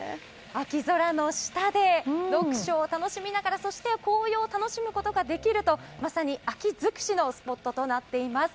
秋空の下で読書を楽しみながらそして紅葉を楽しむことができるとまさに秋尽くしのスポットとなっています。